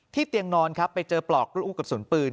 ที่เตียงนอนไปเจอปลอกรุ้วกระสุนปืน